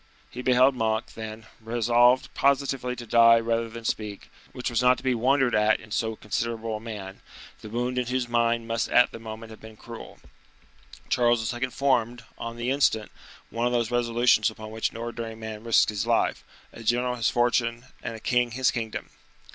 He beheld Monk, then, resolved positively to die rather than speak, which was not to be wondered at in so considerable a man, the wound in whose mind must at the moment have been cruel. Charles II. formed, on the instant, one of those resolutions upon which an ordinary man risks his life, a general his fortune, and a king his kingdom.